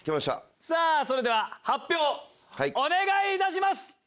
さぁそれでは発表お願いいたします！